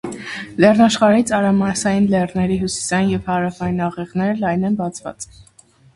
Լեռնաշխարհի ծայրամասային լեռների հյուսիսային և հարավային աղեղները լայն են բացված։